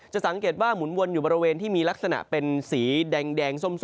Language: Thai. สังเกตว่าหมุนวนอยู่บริเวณที่มีลักษณะเป็นสีแดงส้ม